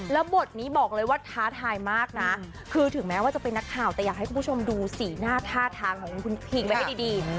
แล้วบทนี้บอกเลยว่าท้าทายมากนะคือถึงแม้ว่าจะเป็นนักข่าวแต่อยากให้คุณผู้ชมดูสีหน้าท่าทางของคุณพิงไว้ให้ดี